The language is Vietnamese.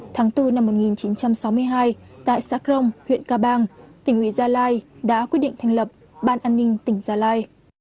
tháng bốn năm một nghìn chín trăm sáu mươi hai tại xã crong huyện ca bang tỉnh nguyễn gia lai đã quyết định thành lập ban an ninh tỉnh gia lai